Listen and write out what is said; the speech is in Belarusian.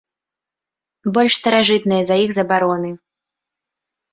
Больш старажытная за іх забароны.